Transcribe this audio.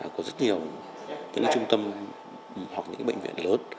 có rất nhiều những trung tâm hoặc những bệnh viện lớn